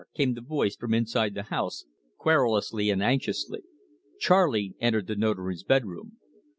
came the voice from inside the house, querulously and anxiously. Charley entered the Notary's bedroom.